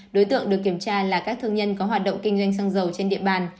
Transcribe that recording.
đối tượng được kiểm tra là các thương nhân có hoạt động kinh doanh xăng dầu trên địa bàn